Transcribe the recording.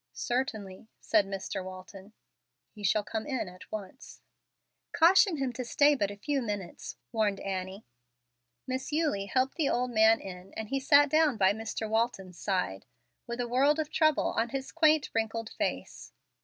"Certainly," said Mr. Walton; "he shall come in at once." "Caution him to stay but a few minutes," warned Annie. Miss Eulie helped the old man in, and he sat down by Mr. Walton's side, with a world of trouble on his quaint, wrinkled face.